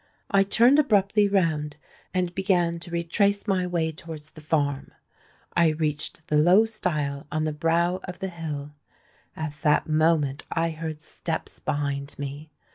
I turned abruptly round, and began to retrace my way towards the farm. I reached the low stile on the brow of the hill: at that moment I heard steps behind me.